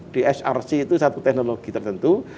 di hrc itu satu teknologi tertentu